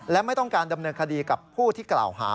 และไม่ต้องการดำเนินคดีกับผู้ที่กล่าวหา